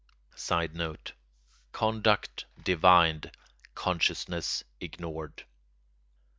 [Sidenote: Conduct divined, consciousness ignored.